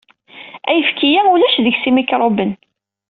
Ayefki-a ulac deg-s imikṛuben.